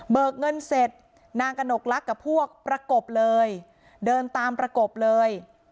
เงินเสร็จนางกระหนกลักษณ์กับพวกประกบเลยเดินตามประกบเลย